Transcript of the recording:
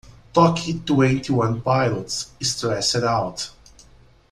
Toque twenty one pilots Stressed Out.